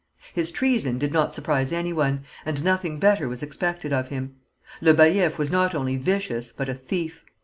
His treason did not surprise any one, and nothing better was expected of him. Le Baillif was not only vicious, but a thief.